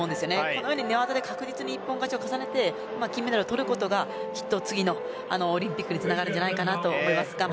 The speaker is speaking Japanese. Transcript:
このように寝技で確実に一本勝ちを重ねて金メダルをとることが次のオリンピックにつながるんじゃないかと思います。